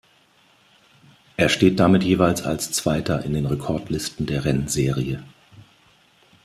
Er steht damit jeweils als Zweiter in den Rekordlisten der Rennserie.